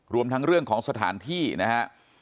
รวมทั้งเรื่องของสถานที่นะฮะ